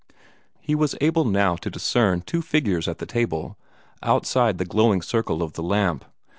He was able now to discern two figures at the table, outside the glowing circle of the lamp.